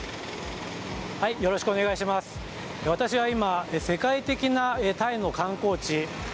私は今、世界的なタイの観光地